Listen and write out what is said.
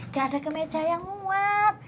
gak ada kemeja yang muat